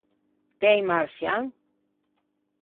T’ê un marçian?